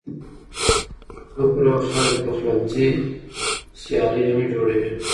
د مېلو پر وخت خلک د پخلنځي سیالۍ هم جوړوي.